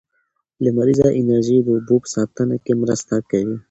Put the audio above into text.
لمریزه انرژي د اوبو په ساتنه کې مرسته کوي.